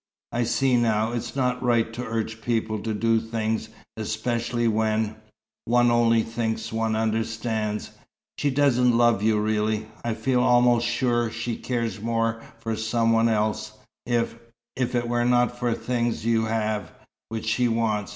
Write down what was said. I see now, it's not right to urge people to do things, especially when one only thinks one understands. She doesn't love you really. I feel almost sure she cares more for some one else, if if it were not for things you have, which she wants.